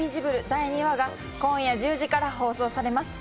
第２話が今夜１０時から放送されます。